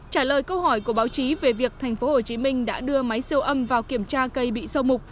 trả lời câu hỏi của báo chí về việc tp hcm đã đưa máy siêu âm vào kiểm tra cây bị sâu mục